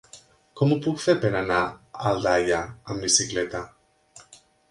Com ho puc fer per anar a Aldaia amb bicicleta?